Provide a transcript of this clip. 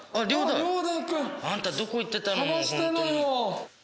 あんたどこ行ってたのよ。